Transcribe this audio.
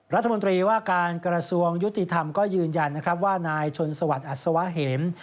รัฐมนตรีว่าการกระทรวงยุติธรรมก็ยืนยันนะครับว่านายชนสวัสดิอัศวะเหม